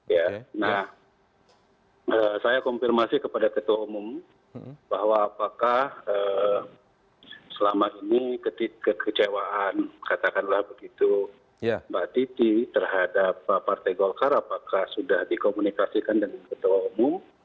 ya nah saya konfirmasi kepada ketua umum bahwa apakah selama ini kekecewaan katakanlah begitu mbak titi terhadap partai golkar apakah sudah dikomunikasikan dengan ketua umum